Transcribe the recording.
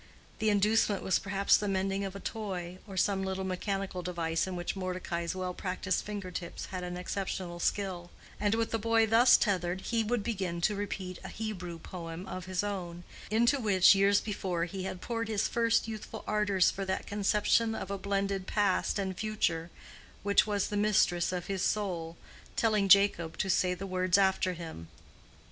The inducement was perhaps the mending of a toy, or some little mechanical device in which Mordecai's well practiced finger tips had an exceptional skill; and with the boy thus tethered, he would begin to repeat a Hebrew poem of his own, into which years before he had poured his first youthful ardors for that conception of a blended past and future which was the mistress of his soul, telling Jacob to say the words after him.